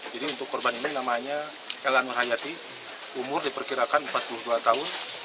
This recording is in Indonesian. jadi untuk korban ini namanya elanur hayati umur diperkirakan empat puluh dua tahun